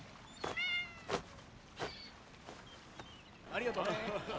ありがとう。